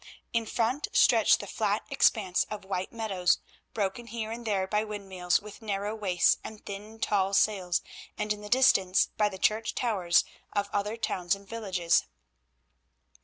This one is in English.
In front stretched the flat expanse of white meadows, broken here and there by windmills with narrow waists and thin tall sails, and in the distance, by the church towers of other towns and villages.